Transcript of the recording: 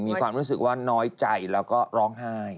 มีความรู้สึกว่าน้อยใจแล้วก็ร้องไห้